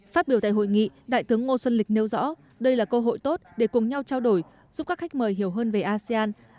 phát biểu tại hội nghị đại tướng ngô xuân lịch nêu rõ đây là cơ hội tốt để cùng nhau trao đổi giúp các khách mời hiểu hơn về asean